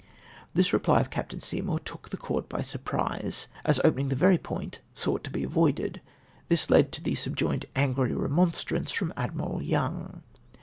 This reply of Captain Seymour took the Court by surprise, as opening the very point sought to be avoided. This led to the subjoined angry remonstrance from Admiral Youno